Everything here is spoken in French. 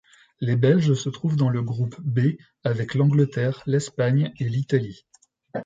Les Belges se trouvent dans le groupe B avec l'Angleterre, l'Espagne et l'Italie.